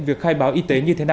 việc khai báo y tế như thế này